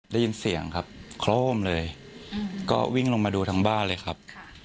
ได้ยินเสียงครับโคร่มเลยก็วิ่งลงมาดูทั้งบ้านเลยครับ